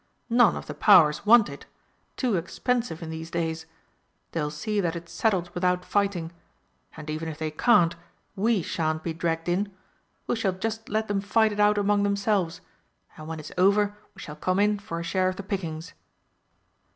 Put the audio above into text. None of the Powers want it too expensive in these days. They'll see that it's settled without fighting. And even if they can't, we shan't be dragged in we shall just let 'em fight it out among themselves, and when it's over we shall come in for a share of the pickings!"